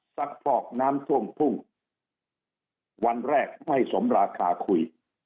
ซักฟอกน้ำท่วมทุ่งวันแรกไม่สมราคาคุย